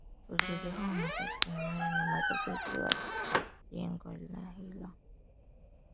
Ujenzi huo umepelekea uimara na umadhubuti wa jengo hilo